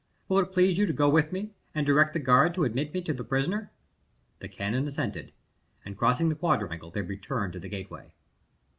Will it please you to go with me, and direct the guard to admit me to the prisoner?" The canon assented; and crossing the quadrangle, they returned to the gateway.